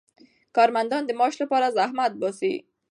کارمندان د معاش لپاره زحمت باسي.